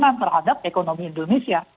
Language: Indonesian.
keamanan terhadap ekonomi indonesia